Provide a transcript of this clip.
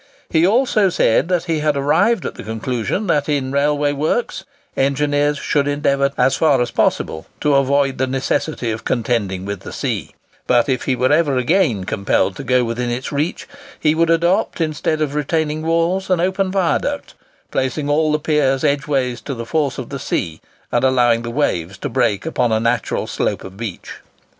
He also said he had arrived at the conclusion that in railway works engineers should endeavour as far as possible to avoid the necessity of contending with the sea; but if he were ever again compelled to go within its reach, he would adopt, instead of retaining walls, an open viaduct, placing all the piers edgeways to the force of the sea, and allowing the waves to break upon a natural slope of beach.